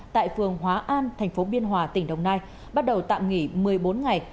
tại phường hóa an thành phố biên hòa tỉnh đồng nai bắt đầu tạm nghỉ một mươi bốn ngày